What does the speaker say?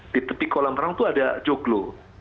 di tepi kolam renang itu ada joglo